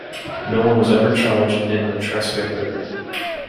No one was ever charged in the Tresca murder.